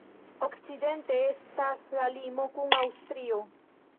Okcidente estas la limo kun Aŭstrio.